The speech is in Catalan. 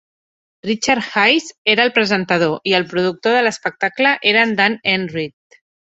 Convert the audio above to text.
Richard Hayes era el presentador i el productor de l"espectable era Dan Enright.